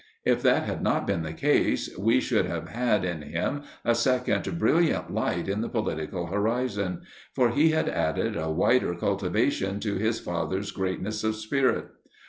If that had not been the case, we should have had in him a second brilliant light in the political horizon; for he had added a wider cultivation to his father's greatness of spirit.